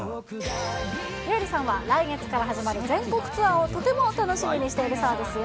優里さんは来月から始まる全国ツアーをとても楽しみにしているそうですよ。